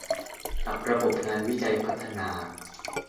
กับระบบงานวิจัยพัฒนา